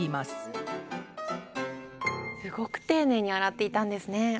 すごく丁寧に洗っていたんですね。